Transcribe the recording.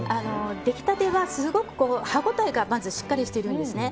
出来立てはすごく歯応えがしっかりしているんですね。